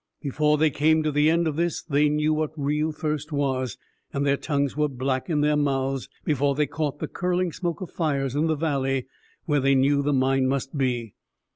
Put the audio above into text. Before they came to the end of this, they knew what real thirst was, and their tongues were black in their mouths before they caught the curling smoke of fires in the valley where they knew the mine must be.